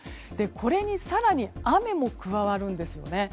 これに更に雨も加わるんですよね。